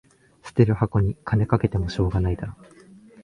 捨てる箱に金かけてもしょうがないだろ